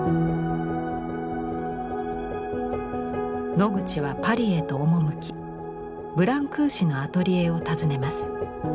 ノグチはパリへと赴きブランクーシのアトリエを訪ねます。